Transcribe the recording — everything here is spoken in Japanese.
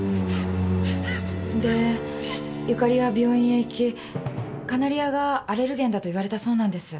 で由佳里は病院へ行きカナリアがアレルゲンだと言われたそうなんです。